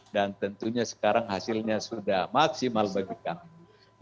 dan tentunya sekarang hasilnya sudah maksimal bagi kami